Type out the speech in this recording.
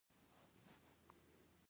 خلک باید ځنګلونه خوندي کړي.